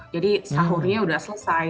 jadi sahurnya sudah selesai